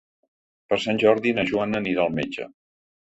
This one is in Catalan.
Per Sant Jordi na Joana anirà al metge.